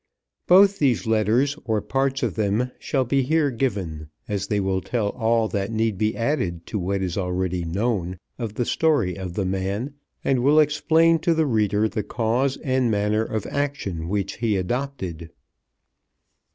Both these letters, or parts of them, shall be here given, as they will tell all that need be added to what is already known of the story of the man, and will explain to the reader the cause and manner of action which he adopted.